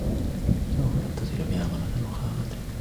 سَوفَ أتصل بها مرة أُخرى غداَ.